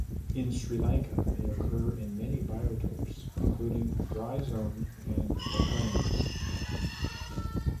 In Sri Lanka, they occur in many biotopes including dry zone and the plains.